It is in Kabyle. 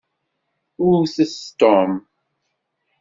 Wwtet Tom.